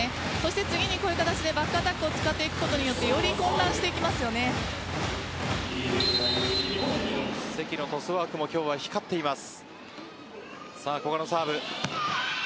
次にこういう形でバックアタックを使っていくことによって関のトスワークも今日は光っています。